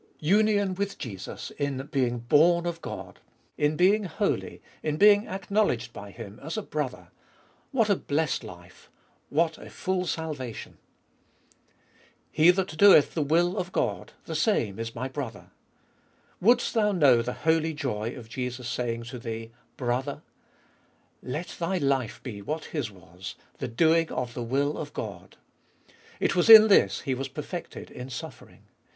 /. Union with Jesus in being born of God, in being holy, in being acknowledged by Him as a brother I What a blessed life ! what a full salvation 1 2. "He that doeth the will of God, the same is My brother." Wouldst thou know the holy joy of Jesus saying to thee, Brother I—let thy life be what His was— the doing of the will of Qod .' It was in this He was perfected in suffering.